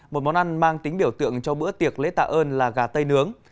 một món ăn mang tính biểu tượng cho bữa tiệc lễ tạ ơn là gà tây nướng